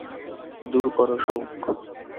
দূর করো শোক।